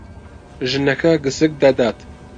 ژنەکە گسک دەدات.